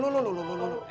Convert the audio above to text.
solong saya pengen masuk